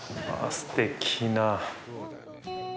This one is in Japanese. すてきな。